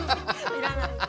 いらない。